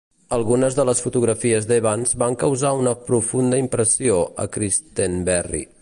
Algunes de les fotografies d'Evans van causar una profunda impressió a Christenberry.